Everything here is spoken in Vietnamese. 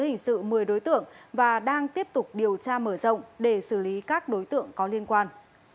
hình sự một mươi đối tượng và đang tiếp tục điều tra mở rộng để xử lý các đối tượng có liên quan